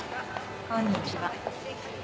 こんにちは。